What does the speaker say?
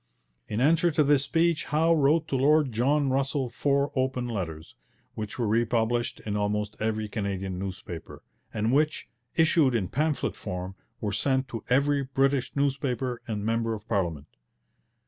In answer to this speech Howe wrote to Lord John Russell four open letters, which were republished in almost every Canadian newspaper, and which, issued in pamphlet form, were sent to every British newspaper and member of parliament.